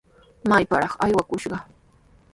¡Mayparaq aywakushqa!